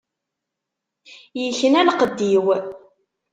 Ikna lqedd-iw.